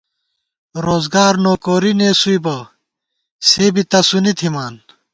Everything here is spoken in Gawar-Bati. روزگار نوکوری نېسُوئی بہ سے بی تسُونی تھِمان